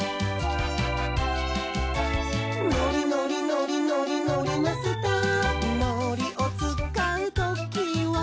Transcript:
「のりのりのりのりのりマスター」「のりをつかうときは」